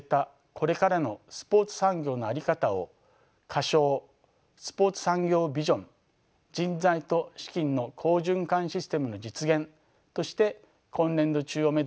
これからのスポーツ産業のあり方を仮称「スポーツ産業ビジョン−人材と資金の好循環システムの実現−」として今年度中をめどに取りまとめる予定です。